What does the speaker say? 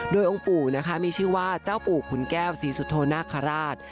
โดยองค์ปู่มีชื่อว่าเจ้าปู่คุณแก้วสีสุธนคราช